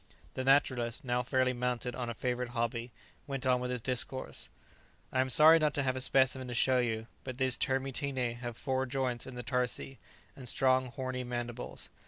The naturalist, now fairly mounted on a favourite hobby, went on with his discourse. "I am sorry not to have a specimen to show you, but these Termitine have four joints in the tarsi, and strong horny mandibles.